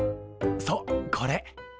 そうこれ。